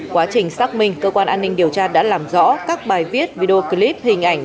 quá trình xác minh cơ quan an ninh điều tra đã làm rõ các bài viết video clip hình ảnh